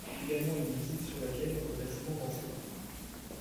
C'est également une musique sur laquelle on peut facilement danser.